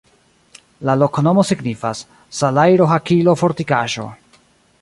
La loknomo signifas: salajro-hakilo-fortikaĵo.